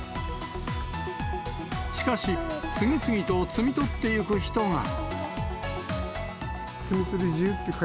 しかし次々と摘み取っていく人が。